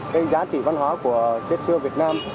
cái giá trị văn hóa của tết xưa việt nam